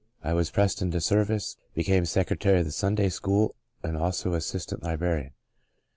I was pressed into service, became secretary of the Sunday school and also assistant librarian.